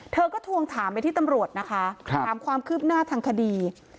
เธอก็ทวงถามไปที่ตำรวจนะคะถามความคืบหน้าทางคดี